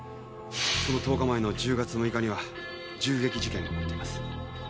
その１０日前の１０月６日には銃撃事件が起こっています。